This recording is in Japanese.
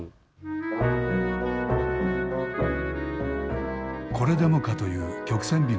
これでもかという曲線美の世界。